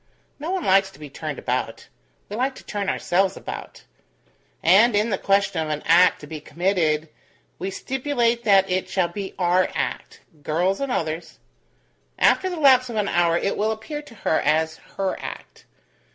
No one likes to be turned about; we like to turn ourselves about; and in the question of an act to be committed, we stipulate that it shall be our act girls and others. After the lapse of an hour, it will appear to her as her act.